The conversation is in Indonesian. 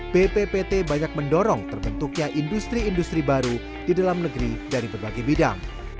bppt banyak mendorong terbentuknya industri industri baru di dalam negeri dari berbagai bidang